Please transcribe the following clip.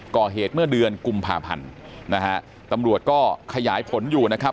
ก่อเหตุเมื่อเดือนกุมภาพันธ์นะฮะตำรวจก็ขยายผลอยู่นะครับ